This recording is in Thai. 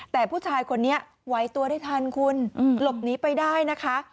แต่ผู้ชายคนนี้ไหวตัวได้ทันคุณหลบหนีไปได้นะคะ